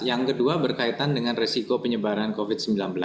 yang kedua berkaitan dengan resiko penyebaran covid sembilan belas